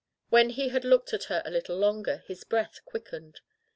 When he had looked at her a little longer his breath quickened.